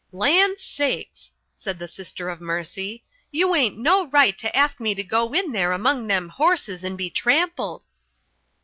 "Land sakes!" said the Sister of Mercy. "You ain't no right to ask me to go in there among them horses and be trampled."